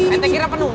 eh tegira penuh